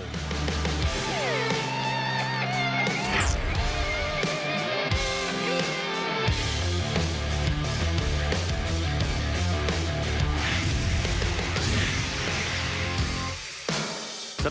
และเรียกจากประเทศที่ดีกว่าคือสมพบแจ้งเกษตรอัสดาวุทย์แจ้งคท